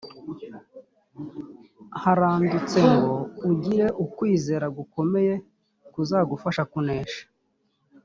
harandutse ngo ugire ukwizera gukomeye kuzagufasha kunesha